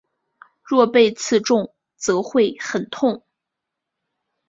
若被刺中则会很痛。